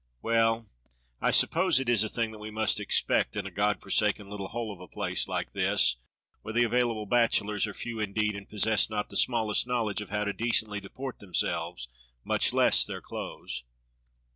Well, I suppose it is a thing that we must expect in a Godforsaken little hole of a place like this, where the available bachelors are few indeed and possess not the smallest knowledge of how to decently deport themselves, much less their clothes."